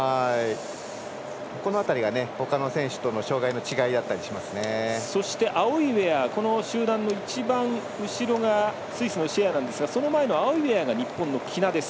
この辺りがほかの選手とのそして、青いウエアこの集団の一番後ろがスイスのシェアなんですがその前の青いウエアが日本の喜納です。